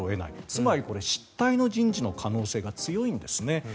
つまりこれ、失態の人事の可能性が強いんですね。